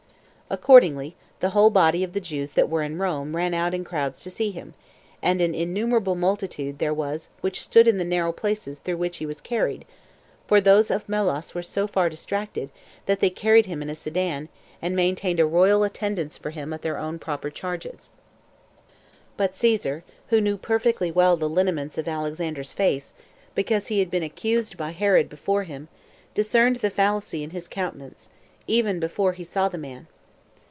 Accordingly, the whole body of the Jews that were at Rome ran out in crowds to see him, and an innumerable multitude there was which stood in the narrow places through which he was carried; for those of Melos were so far distracted, that they carried him in a sedan, and maintained a royal attendance for him at their own proper charges. 2. But Caesar, who knew perfectly well the lineaments of Alexander's face, because he had been accused by Herod before him, discerned the fallacy in his countenance, even before he saw the man.